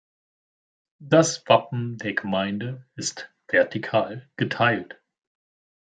Das Wappen der Gemeinde ist vertikal geteilt.